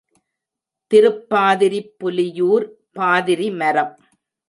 திருப்பாதிரிப் புலியூர் பாதிரி மரம்.